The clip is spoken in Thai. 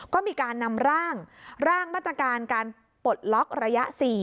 ก็มีการนำร่างร่างมาตรการการปลดล็อกระยะ๔